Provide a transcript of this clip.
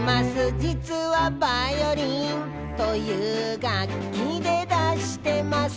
「じつは『バイオリン』という楽器でだしてます」